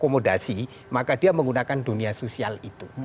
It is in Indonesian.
akomodasi maka dia menggunakan dunia sosial itu